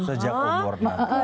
sejak umur enam tahun